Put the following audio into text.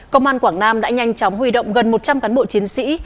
công an quảng nam đã nhanh chóng huy động gần một trăm linh cán bộ chiến sĩ